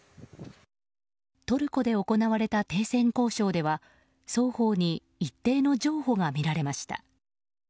トルコで行われた停戦交渉では双方に一定の譲歩が見られました。